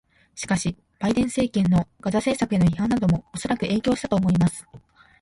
しかし、バイデン政権のガザ政策への批判などもおそらく影響したと思います。